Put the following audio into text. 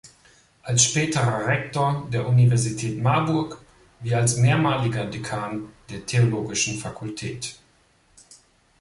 Als späterer Rektor der Universität Marburg wie als mehrmaliger Dekan der Theologischen Fakultät.